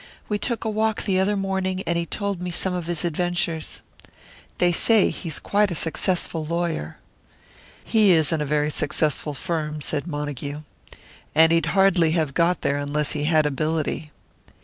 We took a walk the other morning, and he told me some of his adventures. They say he's quite a successful lawyer." "He is in a very successful firm," said Montague. "And he'd hardly have got there unless he had ability."